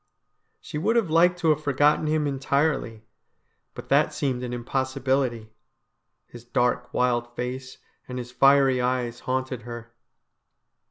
She would have liked to have forgotten him entirely, but that seemed an impossibility. His dark, wild face and his fiery eyes haunted her.